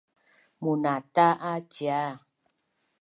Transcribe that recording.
munata’a cia